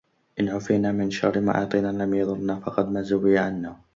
إنْ عُوفِينَا مِنْ شَرِّ مَا أُعْطِينَا لَمْ يَضُرَّنَا فَقْدُ مَا زُوِيَ عَنَّا